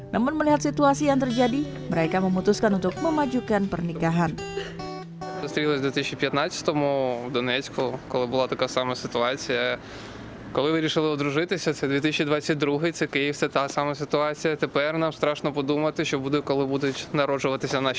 namun melihat situasi yang terjadi mereka memutuskan untuk memajukan pernikahan